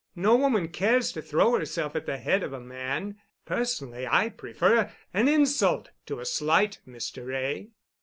No woman cares to throw herself at the head of a man. Personally I prefer an insult to a slight, Mr. Wray."